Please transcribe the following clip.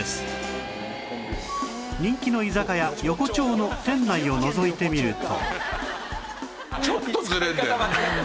人気の居酒屋横丁の店内をのぞいてみると